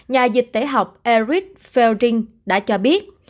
nhà dịch tế học eric felding đã cho biết